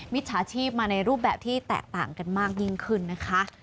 จฉาชีพมาในรูปแบบที่แตกต่างกันมากยิ่งขึ้นนะคะ